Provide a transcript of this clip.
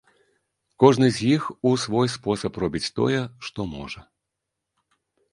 Кожны з іх у свой спосаб робіць тое, што можа.